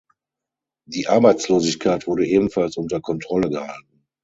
Die Arbeitslosigkeit wurde ebenfalls unter Kontrolle gehalten.